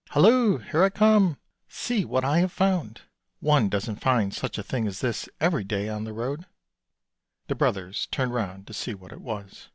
" Halloo, here I come; see what I have found; one doesn't find such a thing as this every day on the road." The brothers turned round to see what it was.